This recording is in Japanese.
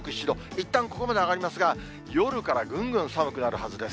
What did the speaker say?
いったんここまで上がりますが、夜からぐんぐん寒くなるはずです。